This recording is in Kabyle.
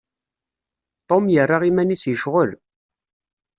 Tom yerra iman-is yecɣel.